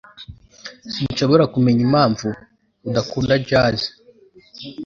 Sinshobora kumenya impamvu udakunda jazz